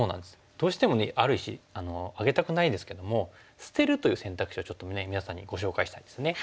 どうしてもある石あげたくないですけども捨てるという選択肢をちょっと皆さんにご紹介したいんですね。